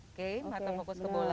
oke mata fokus ke bola